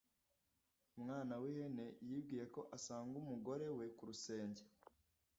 umwana w ihene yibwiye ko asanga umugore we kurusenge